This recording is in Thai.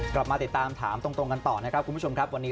กลับมาติดตามถามตรงกันต่อนะครับคุณผู้ชมครับวันนี้